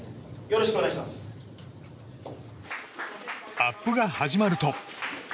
アップが始まると。